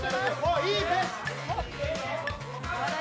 いいペース。